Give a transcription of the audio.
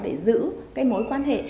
để giữ cái mối quan hệ